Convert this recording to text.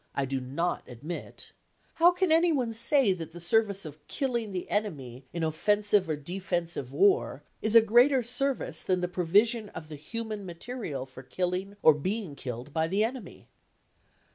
I do not admit), how can anyone say that the service of killing the enemy in offensive or defensive war is a greater service than the provision of the human material for killing or being killed by the enemy?